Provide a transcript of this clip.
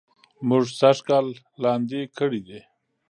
مونږ سږ کال لاندي کړي دي